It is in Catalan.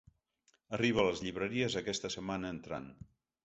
Arriba a les llibreries aquesta setmana entrant.